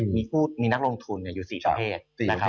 มีนักลงทุนอยู่สี่ชะเทศ